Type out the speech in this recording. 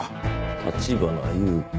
「立花優香」